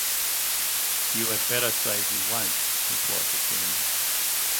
‘You had better say he won’t,’ replied the chairman.